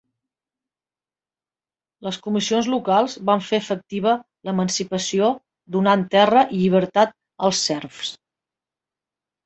Les comissions locals van fer efectiva l'emancipació donant terra i llibertat als serfs.